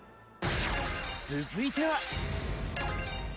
続いては。